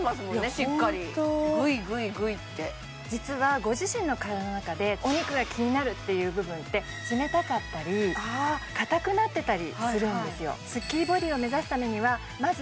しっかりグイグイグイって実はご自身の体の中でお肉が気になるっていう部分って冷たかったり硬くなってたりするんですよ